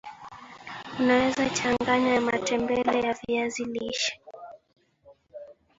unaweza changanya ya matembele ya viazi lishe